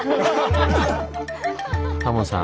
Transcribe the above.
タモさん